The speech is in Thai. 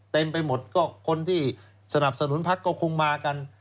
เต็มไปหมดก็คนที่สนับสนุนพักก็คงมากัน